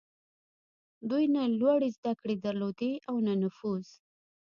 دوی نه لوړې زدهکړې درلودې او نه نفوذ.